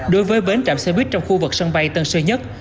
đối với bến chạm xe buýt trong khu vực sân bay tân sơn nhất